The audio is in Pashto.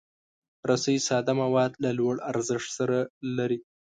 رسۍ ساده مواد له لوړ ارزښت سره لري.